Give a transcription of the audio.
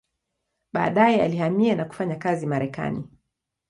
Baadaye alihamia na kufanya kazi Marekani.